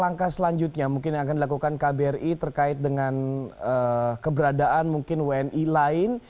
langkah selanjutnya mungkin yang akan dilakukan kbri terkait dengan keberadaan mungkin wni lain